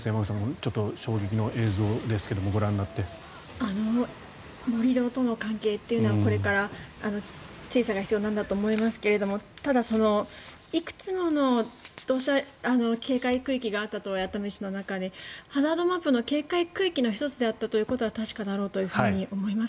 ちょっと衝撃の映像ですが盛り土との関係というのはこれから調査が必要なんだと思いますがただ、いくつもの警戒区域があったとはいえ熱海市の中でハザードマップの警戒区域の一つだったことは確かだろうと思います。